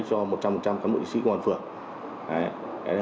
cho một trăm linh các bộ nghị sĩ công an phường